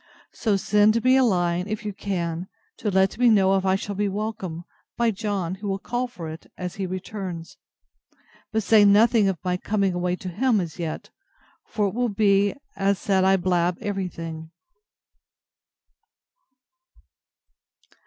So send me a line, if you can, to let me know if I shall be welcome, by John, who will call for it as he returns. But say nothing of my coming away to him, as yet: for it will be said I blab every thing.